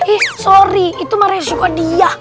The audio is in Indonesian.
ih sorry itu mah resiko dia